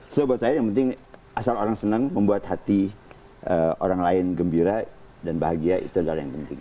sebab buat saya yang penting asal orang senang membuat hati orang lain gembira dan bahagia itu adalah yang penting